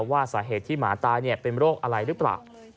ว่าสาเหตุที่หมาตายเป็นโรคอะไรหรือเปล่า